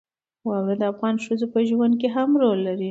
واوره د افغان ښځو په ژوند کې هم رول لري.